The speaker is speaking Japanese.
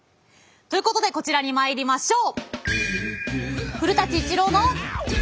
ということでこちらにまいりましょう！